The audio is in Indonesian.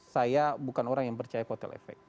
saya bukan orang yang percaya kotel efek